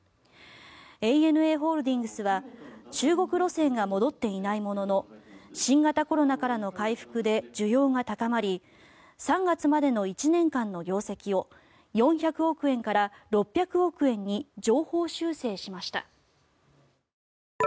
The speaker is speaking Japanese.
ＡＮＡホールディングスは中国路線が戻っていないものの新型コロナからの回復で需要が高まり３月までの１年間の業績を４００億円から６００億円に上方修正しました。